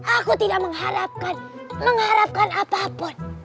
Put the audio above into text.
aku tidak mengharapkan mengharapkan apapun